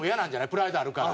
プライドあるから。